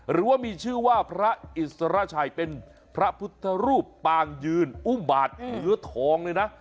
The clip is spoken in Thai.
หรือว่ามีชื่อว่าพระอิสระชัยเป็นพระพุทธรูปปางยืนอุ้มบาทเหนือทองเลยนะ